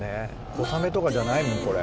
小雨とかじゃないもんこれ。